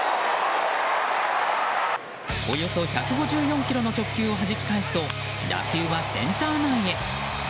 およそ１５４キロの直球をはじき返すと打球はセンター前へ。